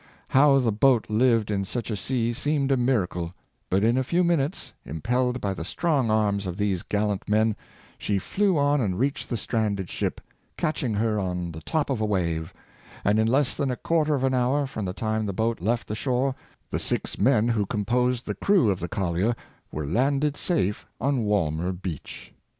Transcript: How the boat lived in such a sea seemed a miracle; but in a few minutes, im pelled by the strong arms of these gallant men, she flew on and reached the stranded ship, " catching her Exer^cise of Personal Power, 617 on the top of a wave;" and in less than a quarter of an hour from the time the boat left the shore, the six men who composed the crew of the collier were landed safe on Walmer Beach.